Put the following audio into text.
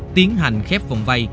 tiến hành khép vòng vay